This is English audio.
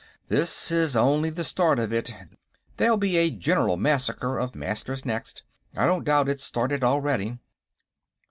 This is only the start of it; there'll be a general massacre of Masters next. I don't doubt it's started already."